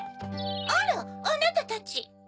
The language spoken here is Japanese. あらあなたたち。